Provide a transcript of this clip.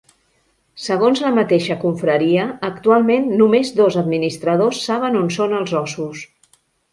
Segons la mateixa confraria, actualment només dos administradors saben on són els ossos.